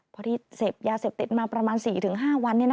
พอที่เสพยาเสพติดมาประมาณ๔๕วัน